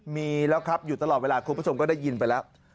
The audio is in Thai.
มีแล้วครับอยู่ตลอดเวลาคุณผู้ชมก็ได้ยินไปแล้ว